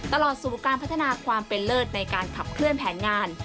ตลอดสู่การพัฒนาความเป็นเลิศในการขับเคลื่อนแผนงาน